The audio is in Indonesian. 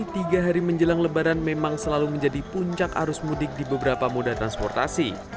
tiga hari menjelang lebaran memang selalu menjadi puncak arus mudik di beberapa moda transportasi